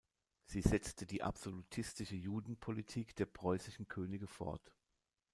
Sie setzte die absolutistische Judenpolitik der preußischen Könige fort.